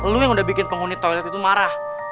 lu yang udah bikin penghuni toilet itu marah